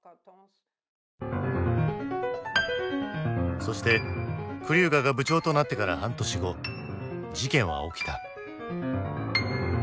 そしてクリューガが部長となってから半年後事件は起きた。